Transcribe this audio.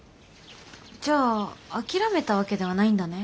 じゃあ諦めたわけではないんだね